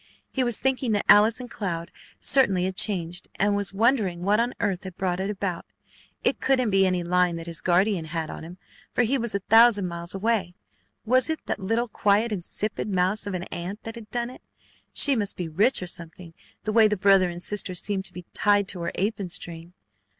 He was thinking that Allison Cloud certainly had changed, and was wondering what on earth had brought it about. It couldn't be any line that his guardian had on him, for he was a thousand miles away. Was it that little, quiet, insipid mouse of an aunt that had done it? She must be rich or something, the way the brother and sister seemed to be tied to her apron string.